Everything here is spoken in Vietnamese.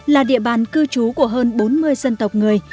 là địa bàn cư trú của hơn bốn mươi dân tộc người